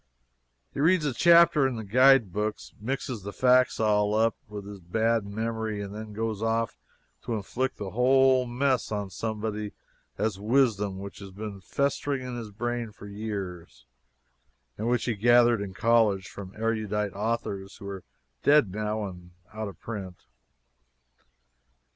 He reads a chapter in the guidebooks, mixes the facts all up, with his bad memory, and then goes off to inflict the whole mess on somebody as wisdom which has been festering in his brain for years and which he gathered in college from erudite authors who are dead now and out of print.